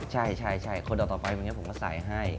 ใช่คนเอาต่อไปผมก็ใส่ให้